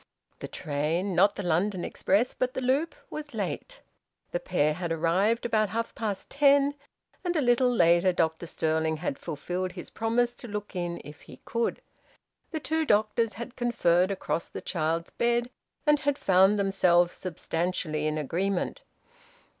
The train not the London express, but the loop was late. The pair had arrived about half past ten, and a little later Dr Stirling had fulfilled his promise to look in if he could. The two doctors had conferred across the child's bed, and had found themselves substantially in agreement.